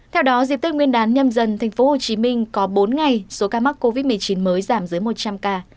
theo đó dịp tết nguyên đán nhâm dần tp hcm có bốn ngày số ca mắc covid một mươi chín mới giảm dưới một trăm linh ca